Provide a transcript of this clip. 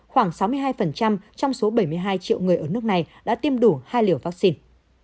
khoảng sáu mươi hai trong số bảy mươi hai triệu người ở nước này đã tiêm đủ hai liều vaccine